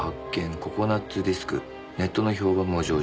ココナッツディスク」「ネットの評判も上々。